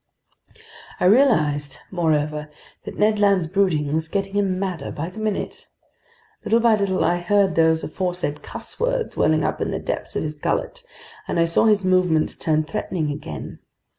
I realized, moreover, that Ned Land's brooding was getting him madder by the minute. Little by little, I heard those aforesaid cusswords welling up in the depths of his gullet, and I saw his movements turn threatening again.